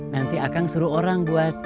nanti akang suruh orang buat